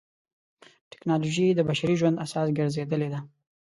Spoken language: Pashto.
ټکنالوجي د بشري ژوند اساس ګرځېدلې ده.